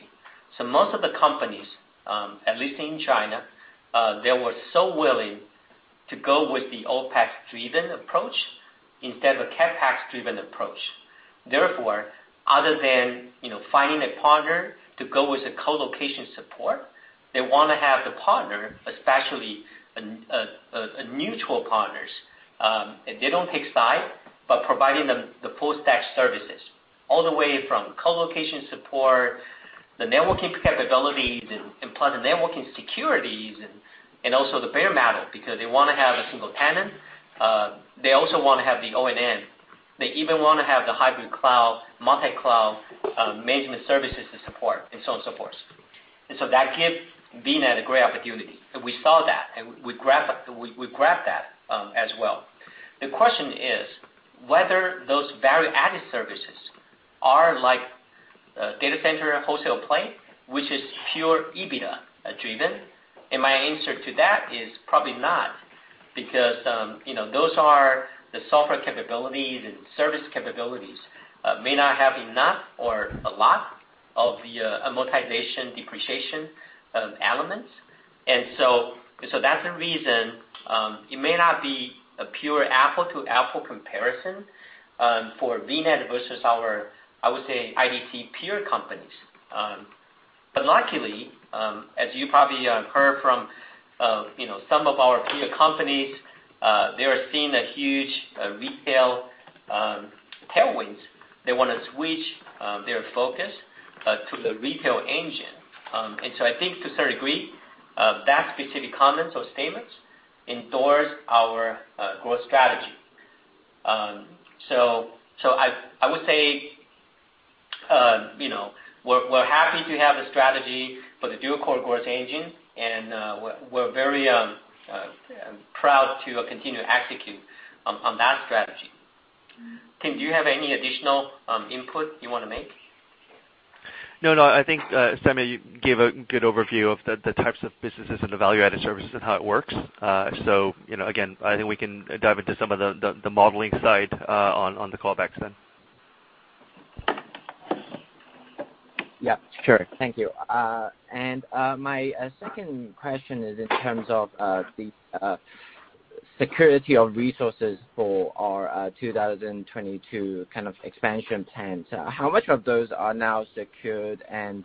most of the companies, at least in China, they were so willing to go with the OpEx-driven approach instead of CapEx-driven approach. Therefore, other than, you know, finding a partner to go with the colocation support, they wanna have the partner, especially a mutual partner, and they don't take sides, but providing them the full stack services, all the way from colocation support, the networking capabilities and plus the networking securities and also the bare metal because they wanna have a single tenant. They also wanna have the ONN. They even wanna have the hybrid cloud, multi-cloud management services to support and so on supports. That gives VNET a great opportunity, and we saw that, and we grabbed that as well. The question is whether those value-added services are like data center wholesale play, which is pure EBITDA-driven. My answer to that is probably not because you know those are the software capabilities and service capabilities may not have enough or a lot of the amortization depreciation elements. That's the reason it may not be a pure apples-to-apples comparison for VNET versus our I would say IDC peer companies. But luckily as you probably heard from you know some of our peer companies they are seeing a huge retail tailwinds. They wanna switch their focus to the retail engine. I think to certain degree that specific comments or statements endorse our growth strategy. I would say, you know, we're happy to have the strategy for the dual-core growth engine and we're very proud to continue to execute on that strategy. Tim, do you have any additional input you wanna make? No, no. I think, Samuel, you gave a good overview of the types of businesses and the value-added services and how it works. You know, again, I think we can dive into some of the modeling side, on the call back then. Yeah, sure. Thank you. My second question is in terms of the security of resources for our 2022 kind of expansion plans. How much of those are now secured? Yeah,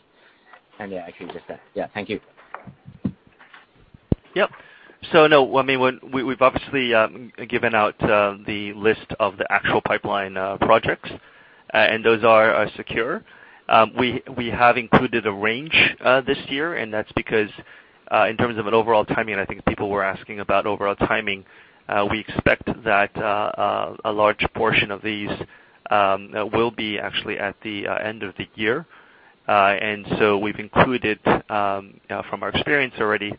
actually just that. Yeah. Thank you. Yep. No, I mean, when we've obviously given out the list of the actual pipeline projects, and those are secure. We have included a range this year, and that's because in terms of an overall timing, and I think people were asking about overall timing, we expect that a large portion of these will be actually at the end of the year. We've included from our experience already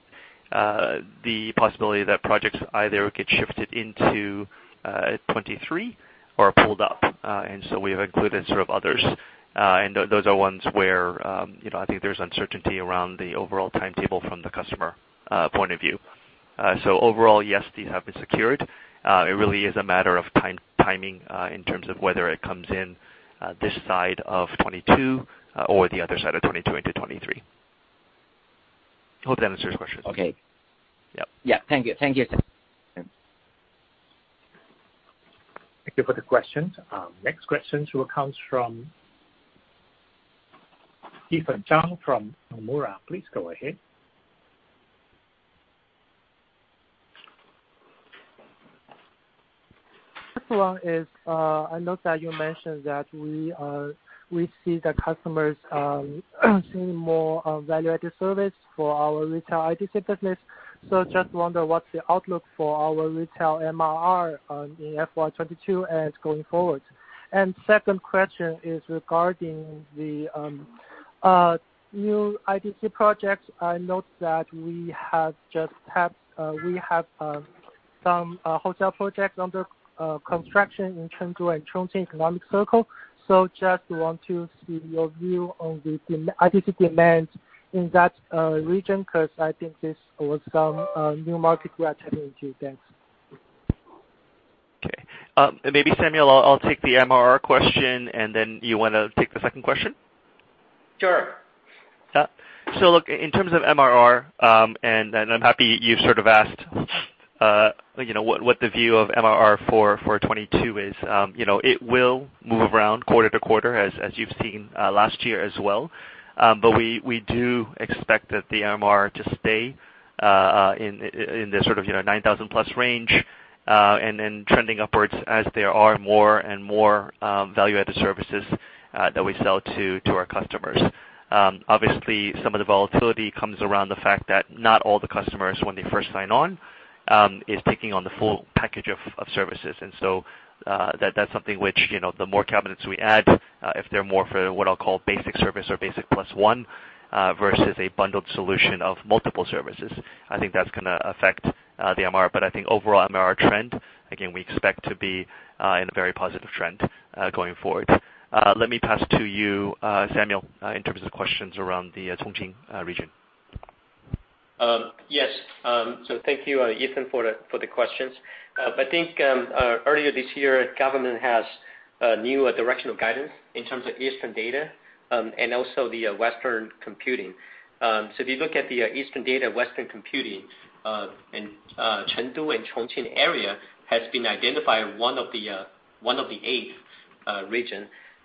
the possibility that projects either get shifted into 2023 or pulled up. We have included sort of others, and those are ones where you know, I think there's uncertainty around the overall timetable from the customer point of view. Overall, yes, these have been secured. It really is a matter of timing in terms of whether it comes in this side of 2022 or the other side of 2022 into 2023. Hope that answers your question. Okay. Yep. Yeah. Thank you. Thank you. Yeah. Thank you for the question. Next question from Ethan Zhang from Nomura. Please go ahead. First one is, I noticed that you mentioned that we see the customers seeing more value-added service for our retail IDC business. Just wonder what's the outlook for our retail MRR in FY 2022 and going forward. Second question is regarding the new IDC projects. I note that we have some wholesale projects under construction in Chengdu and Chongqing Economic Circle. Just want to see your view on the IDC demand in that region, 'cause I think this was some new market we are tapping into. Thanks. Okay. Maybe Samuel, I'll take the MRR question and then you wanna take the second question? Sure. Yeah. Look, in terms of MRR, and I'm happy you sort of asked, you know, what the view of MRR for 2022 is. You know, it will move around quarter to quarter, as you've seen, last year as well. We do expect the MRR to stay in the sort of, you know, 9,000+ range and then trending upwards as there are more and more value-added services that we sell to our customers. Obviously, some of the volatility comes around the fact that not all the customers when they first sign on is taking on the full package of services. That's something which, you know, the more cabinets we add, if they're more for what I'll call basic service or basic plus one, versus a bundled solution of multiple services. I think that's gonna affect the MRR. I think overall MRR trend, again, we expect to be in a very positive trend going forward. Let me pass to you, Samuel, in terms of questions around the Chongqing region. Yes. Thank you, Ethan, for the questions. I think earlier this year, government has a new directional guidance in terms of Eastern Data, and also the Western Computing. If you look at the Eastern Data, Western Computing, and Chengdu and Chongqing area has been identified one of the eight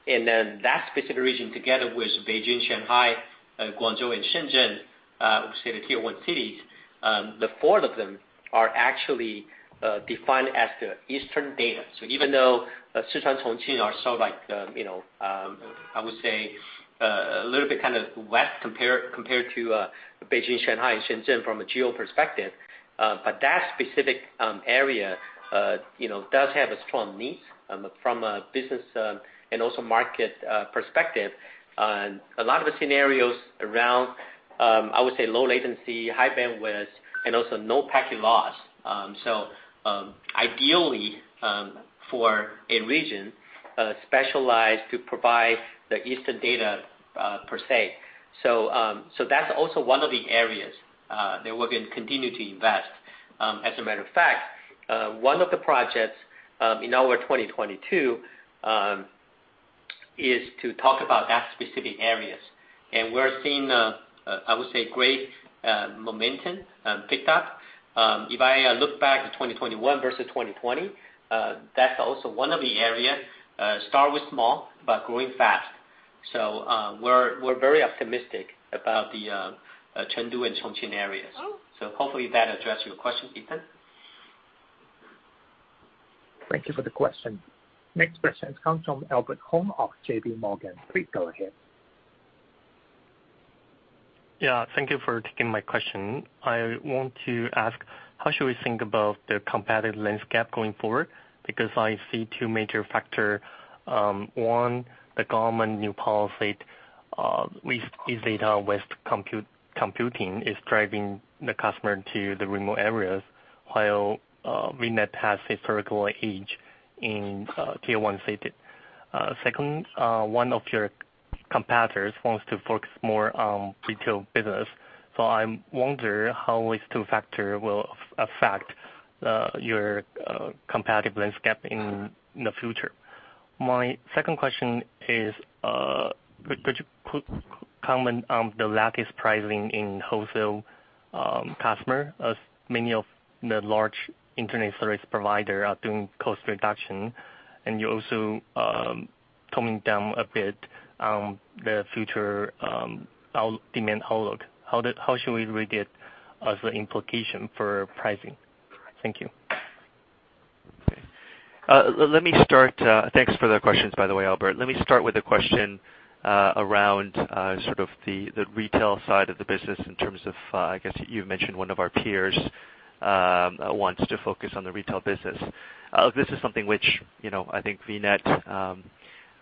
region. Then that specific region, together with Beijing, Shanghai, Guangzhou and Shenzhen, obviously the Tier One cities, the four of them are actually defined as the Eastern Data. Even though Sichuan, Chongqing are sort of like, you know, I would say, a little bit kind of west compared to Beijing, Shanghai, and Shenzhen from a geo perspective, but that specific area, you know, does have a strong need from a business and also market perspective with a lot of the scenarios around, I would say low latency, high bandwidth, and also no packet loss, so ideally for a region specialized to provide the Eastern Data, per se, that's also one of the areas that we're gonna continue to invest. As a matter of fact, one of the projects in our 2022 is to talk about that specific areas, and we're seeing, I would say great momentum picked up. If I look back at 2021 versus 2020, that's also one of the area start with small, but growing fast. We're very optimistic about the Chengdu and Chongqing areas. Hopefully that address your question, Ethan. Thank you for the question. Next question comes from Albert Hung of JPMorgan. Please go ahead. Yeah. Thank you for taking my question. I want to ask, how should we think about the competitive landscape going forward? Because I see two major factors. One, the government's new policy with Eastern Data, Western Computing is driving the customers to the remote areas, while VNET has historical edge in Tier 1 cities. Second, one of your competitors wants to focus more on retail business. I wonder how these two factors will affect your competitive landscape in the future. My second question is, could you comment on the latest pricing in wholesale customers, as many of the large internet service providers are doing cost reduction, and you're also toning down a bit the future demand outlook. How should we read it as the implication for pricing? Thank you. Let me start. Thanks for the questions, by the way, Albert. Let me start with the question around sort of the retail side of the business in terms of, I guess you mentioned one of our peers wants to focus on the retail business. This is something which, you know, I think VNET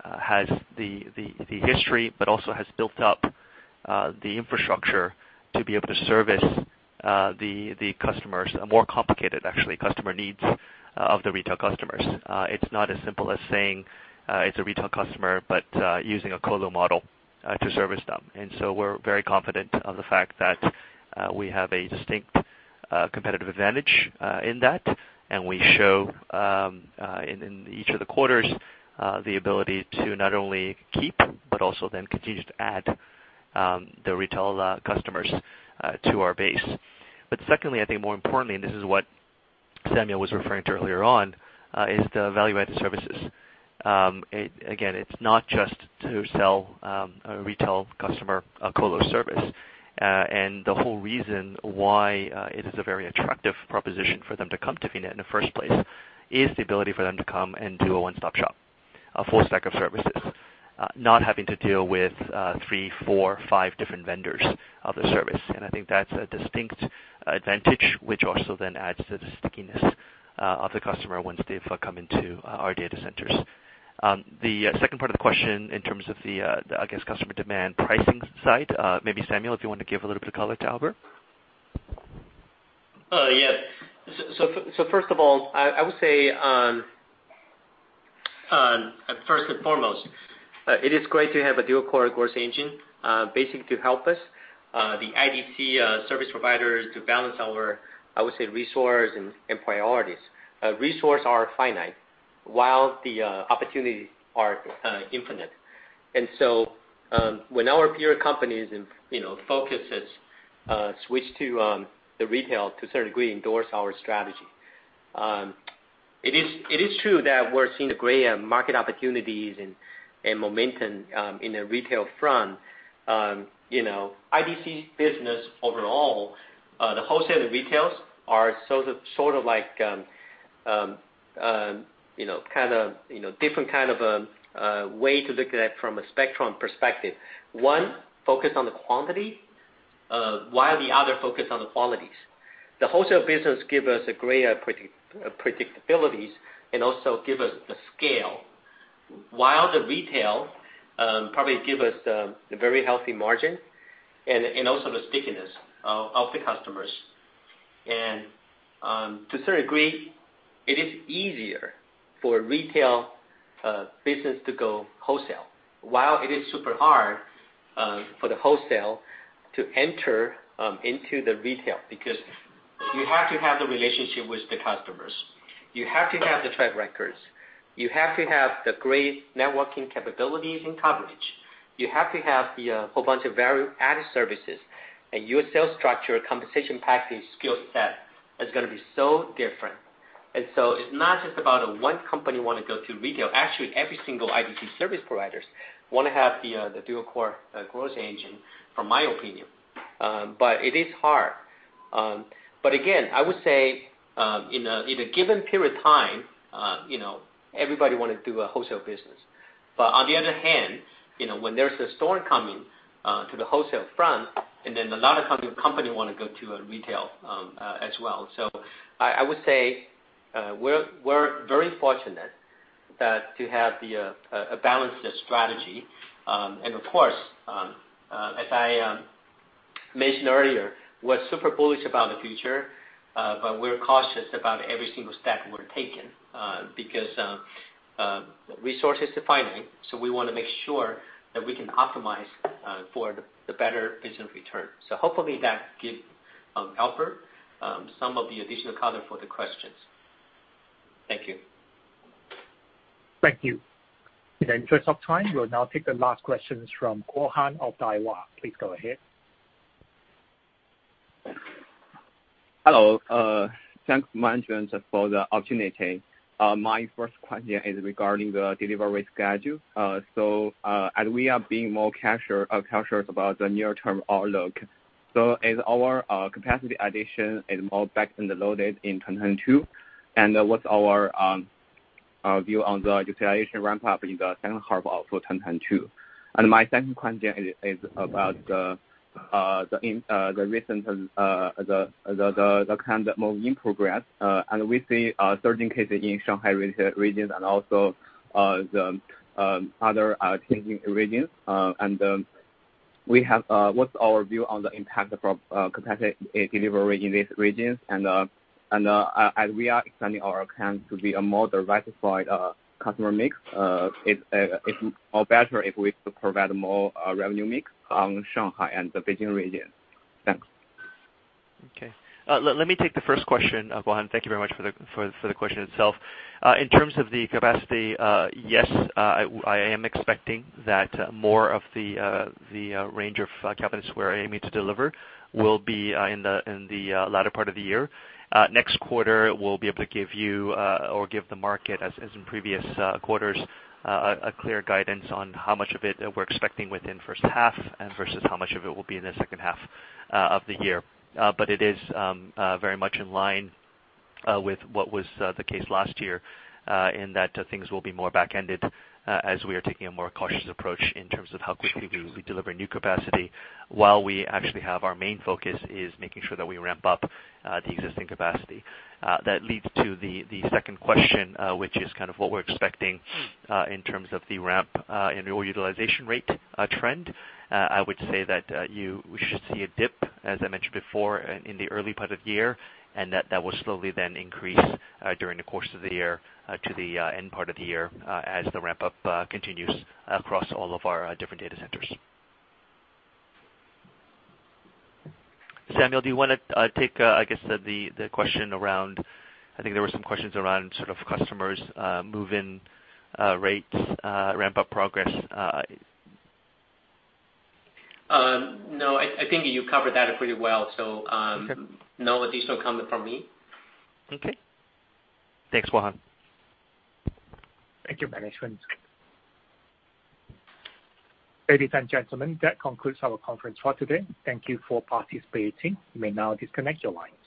has the history, but also has built up the infrastructure to be able to service the customers. A more complicated, actually, customer needs of the retail customers. It's not as simple as saying it's a retail customer, but using a colo model to service them. We're very confident of the fact that we have a distinct competitive advantage in that. We show in each of the quarters the ability to not only keep but also then continue to add the retail customers to our base. Secondly, I think more importantly, and this is what Samuel was referring to earlier on, is the value-added services. It again, it's not just to sell a retail customer a colo service. The whole reason why it is a very attractive proposition for them to come to VNET in the first place is the ability for them to come and do a one-stop shop, a full stack of services not having to deal with three, four, five different vendors of the service. I think that's a distinct advantage, which also then adds to the stickiness of the customer once they've come into our data centers. The second part of the question in terms of the, I guess, customer demand pricing side, maybe Samuel, if you want to give a little bit of color to Albert. Yes. First of all, I would say first and foremost, it is great to have a dual-core strategy, basically to help us, the IDC service provider, to balance our, I would say, resources and priorities. Resources are finite, while the opportunities are infinite. When our peer companies and, you know, focus switch to the retail to a certain degree endorse our strategy, it is true that we're seeing the greater market opportunities and momentum in the retail front. You know, IDC's business overall, the wholesale and retail are sort of like, you know, kind of different kind of a way to look at it from a spectrum perspective. One, focus on the quantity, while the other focus on the qualities. The wholesale business give us a greater predictability and also give us the scale. While the retail, probably give us, a very healthy margin and also the stickiness of the customers. To a certain degree, it is easier for retail business to go wholesale, while it is super hard, for the wholesale to enter into the retail because you have to have the relationship with the customers. You have to have the track records. You have to have the great networking capabilities and coverage. You have to have the whole bunch of value-added services. Your sales structure, compensation package, skill set is gonna be so different. It's not just about one company wanna go to retail. Actually, every single IDC service providers wanna have the dual-core growth engine, in my opinion. It is hard. Again, I would say, in a given period of time, you know, everybody wanna do a wholesale business. On the other hand, you know, when there's a storm coming to the wholesale front, and then a lot of companies wanna go to retail as well. I would say, we're very fortunate to have a balanced strategy. Of course, as I mentioned earlier, we're super bullish about the future, but we're cautious about every single step we're taking, because resources are finite, so we wanna make sure that we can optimize for the better investment return. Hopefully that gives Albert Hung some of the additional color for the questions. Thank you. Thank you. In the interest of time, we'll now take the last questions from Guohan Wang of Daiwa. Please go ahead. Hello. Thanks, management, for the opportunity. My first question is regarding the delivery schedule. As we are being more cautious about the near-term outlook, is our capacity addition more back-loaded in 2022? What's our view on the utilization ramp up in the second half of 2022? My second question is about the recent COVID progress. We see certain cases in Shanghai region and also the other regions. What's our view on the impact from capacity delivery in these regions? As we are expanding our accounts to be a more diversified customer mix, is more better if we provide more revenue mix on Shanghai and the Beijing region? Thanks. Okay. Let me take the first question, Guohan. Thank you very much for the question itself. In terms of the capacity, yes, I am expecting that more of the range of cabinets we're aiming to deliver will be in the latter part of the year. Next quarter, we'll be able to give you or give the market, as in previous quarters, a clear guidance on how much of it we're expecting within first half and versus how much of it will be in the second half of the year. It is very much in line with what was the case last year in that things will be more back-ended as we are taking a more cautious approach in terms of how quickly we deliver new capacity, while we actually have our main focus is making sure that we ramp up the existing capacity. That leads to the second question, which is kind of what we're expecting in terms of the ramp and overall utilization rate trend. I would say that we should see a dip, as I mentioned before, in the early part of the year, and that will slowly then increase during the course of the year to the end part of the year, as the ramp-up continues across all of our different data centers. Samuel, do you wanna take I guess the question around. I think there were some questions around sort of customers move-in rates ramp-up progress? No, I think you covered that pretty well. Okay. No additional comment from me. Okay. Thanks, Guohan. Thank you, management. Ladies and gentlemen, that concludes our conference for today. Thank you for participating. You may now disconnect your lines.